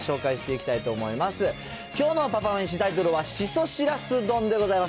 きょうのパパめし、タイトルはしそしらす丼でございます。